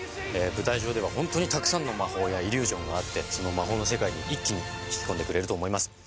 舞台上ではホントにたくさんの魔法やイリュージョンがあってその魔法の世界に一気に引き込んでくれると思います